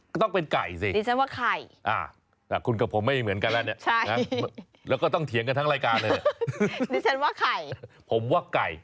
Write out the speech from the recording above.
ก็ต้องเป็นไก่สินะครับคุณกับผมไม่เหมือนกันแล้วเนี่ยแล้วก็ต้องเถียงกันทั้งรายการเลยนะผมว่าไก่